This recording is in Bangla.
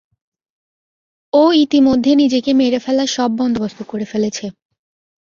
ও ইতিমধ্যে নিজেকে মেরে ফেলার সব বন্দোবস্ত করে ফেলেছে।